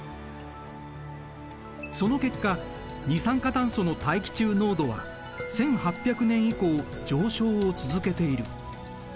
その結果二酸化炭素の大気中濃度は１８００年以降上昇を続けている。